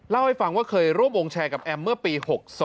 เล่าให้ฟังว่าเคยร่วมวงแชร์กับแอมเมื่อปี๖๒